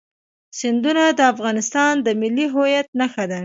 سیندونه د افغانستان د ملي هویت نښه ده.